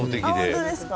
本当ですか？